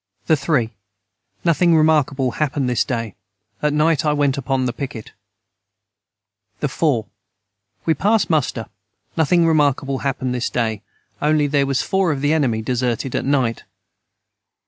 the 3. Nothing remarkable hapened this day at night I went upon the piquet. the 4. We past muster nothing remarkble hapened this day onely their was four of the enemy deserted at night.